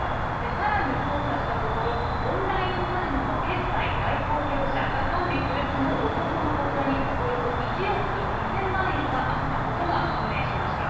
さらに捜査したところ、オンラインカジノの決済代行業者が管理するこの男の口座におよそ１億２０００万円があったことが判明しました。